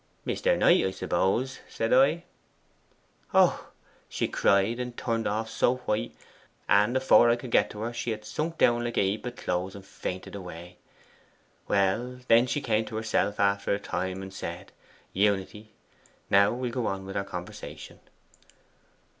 '"Mr. Knight, I suppose," said I. '"Oh!" she cried, and turned off so white, and afore I could get to her she had sunk down like a heap of clothes, and fainted away. Well, then, she came to herself after a time, and said, "Unity, now we'll go on with our conversation."